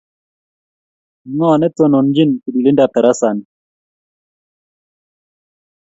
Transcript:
Ng' o ne tonoonchin tililindap tarasa ni?